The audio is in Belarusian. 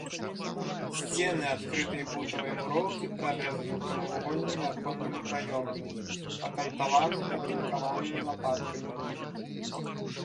Сцены адкрытай бутавай муроўкі прарэзаны прамавугольнымі аконнымі праёмамі, акантаваны атынкаванымі лапаткамі.